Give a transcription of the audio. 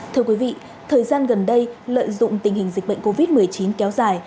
thưa quý vị thời gian gần đây lợi dụng tình hình dịch bệnh covid một mươi chín kéo dài